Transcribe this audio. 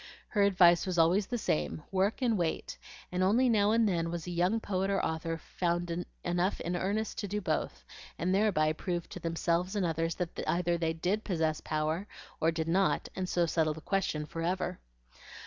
Her advice was always the same, "Work and wait;" and only now and then was a young poet or author found enough in earnest to do both, and thereby prove to themselves and others that either they DID possess power, or did not, and so settle the question forever.